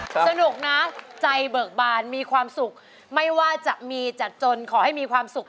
สนุกนะใจเบิกบานมีความสุขไม่ว่าจะมีจัดจนขอให้มีความสุข